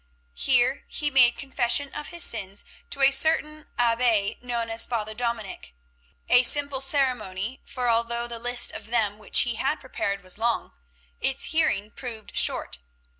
Here he made confession of his sins to a certain Abbe known as Father Dominic, a simple ceremony, for although the list of them which he had prepared was long, its hearing proved short.